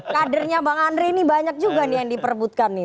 kadernya bang andre ini banyak juga nih yang diperbutkan nih